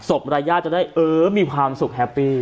รายญาติจะได้เออมีความสุขแฮปปี้